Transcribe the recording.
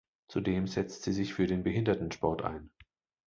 Zudem setzt sie sich für den Behindertensport ein.